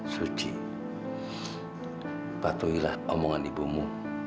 suci patuhilah omongan ibumu